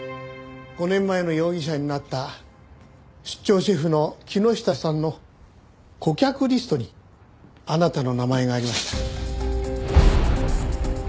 ５年前の容疑者になった出張シェフの木下さんの顧客リストにあなたの名前がありました。